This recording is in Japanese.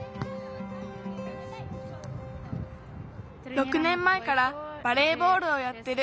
６ねんまえからバレーボールをやってる。